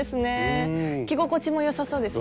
着心地もよさそうですね。